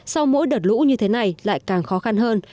sau mỗi đợt lũ như thế này lại càng khó khăn hơn